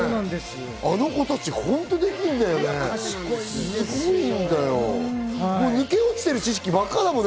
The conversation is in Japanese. あの子たち本当できるんだよね。